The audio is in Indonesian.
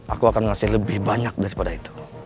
aku akan ngasih lebih banyak daripada itu